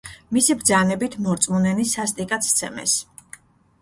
მისი ბრძანებით მორწმუნენი სასტიკად სცემეს.